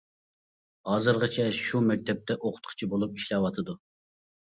ھازىرغىچە شۇ مەكتەپتە ئوقۇتقۇچى بولۇپ ئىشلەۋاتىدۇ.